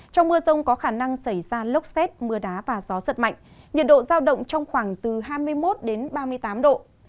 trong mưa rông có khả năng xảy ra lốc xét mưa đá và gió giật mạnh nhiệt độ giao động trong khoảng từ hai mươi một ba mươi tám độ